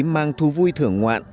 mang thu vui thưởng ngoạn